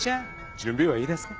準備はいいですか？